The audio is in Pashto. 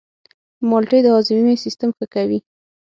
مالټې د هاضمې سیستم ښه کوي.